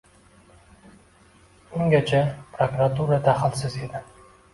Ungacha prokuratura daxlsiz edi.